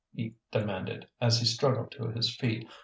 he demanded, as he struggled to his feet.